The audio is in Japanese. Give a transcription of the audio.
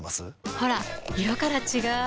ほら色から違う！